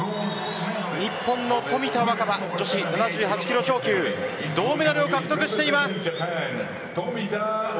日本の冨田若春女子７８キロ超級銅メダルを獲得しています。